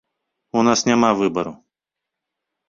У нас няма выбару.